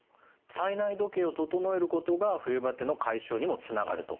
体内時計を整えることが冬バテの解消にもつながると。